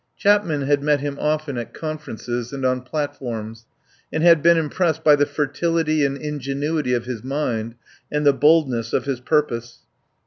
Chapman had met him often at conferences and on platforms, and had been impressed by the fertility and ingenuity of his mind and the boldness of his purpose.